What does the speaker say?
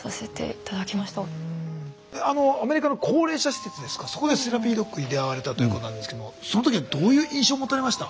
あのアメリカの高齢者施設ですかそこでセラピードッグに出会われたということなんですけどもその時はどういう印象持たれました？